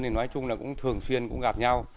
thì nói chung là cũng thường xuyên gặp nhau